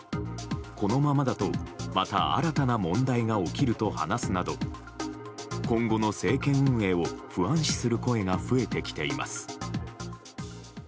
このままだと、また新たな問題が起きると話すなど今後の政権運営を不安視する声が増えてきています。